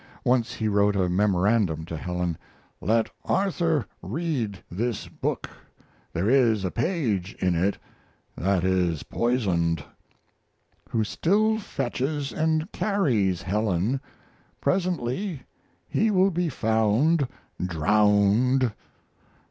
Once he wrote a memorandum to Helen: "Let Arthur read this book. There is a page in it that is poisoned."] who still fetches and carries Helen. Presently he will be found drowned.